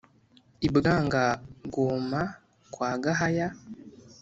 i bwanga-guhuma kwa gahaya,